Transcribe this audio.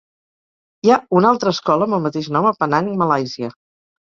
Hi ha una altra escola amb el mateix nom a Penang, Malàisia.